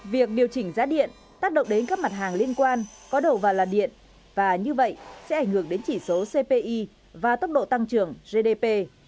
việc điều chỉnh giá điện tác động đến các mặt hàng liên quan có đầu vào là điện và như vậy sẽ ảnh hưởng đến chỉ số cpi và tốc độ tăng trưởng gdp